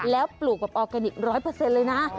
แล้วปลูกแบบออร์แกนิค๑๐๐เลยนะ